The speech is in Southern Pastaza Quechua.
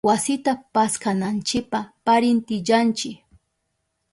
Wasita paskananchipa parintillanchi.